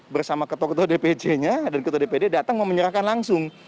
bersama ketuk ketuk dpc nya dan ketuk dpd datang mau menyerahkan langsung